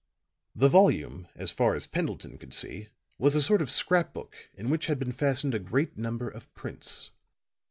The volume, as far as Pendleton could see, was a sort of scrap book in which had been fastened a great number of prints.